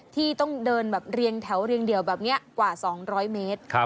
ที่ต้องเดินแบบเรียงแถวเรียงเดี่ยวแบบนี้กว่า๒๐๐เมตร